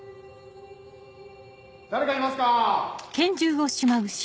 ・誰かいますか？